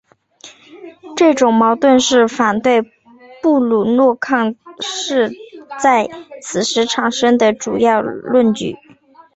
这种矛盾是反对布鲁诺坑是在此时产生的主要论据。